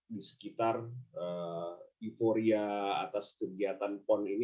di sekitar euforia atas kegiatan pon ini